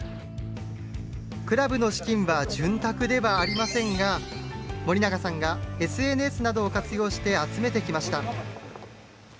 クラブの資金は潤沢ではありませんが、森永さんがＳＮＳなどを活用して集めてきました。